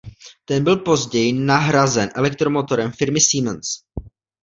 Ten byl později nahrazen elektromotorem firmy Siemens.